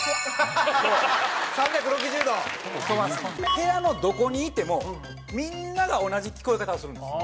部屋のどこにいてもみんなが同じ聞こえ方をするんです。